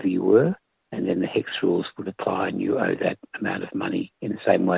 dan peraturan hex akan menilai dan anda berhutang dengan jumlah uang yang sama